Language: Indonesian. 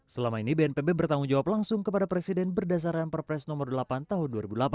selama ini bnpb bertanggung jawab langsung kepada presiden berdasarkan perpres nomor delapan tahun dua ribu delapan belas